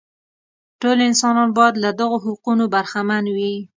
ټول انسانان باید له دغو حقونو برخمن وي.